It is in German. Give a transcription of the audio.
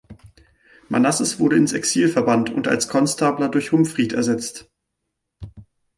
Manasses wurde ins Exil verbannt und als Konstabler durch Humfried ersetzt.